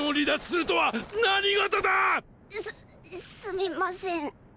すすみません。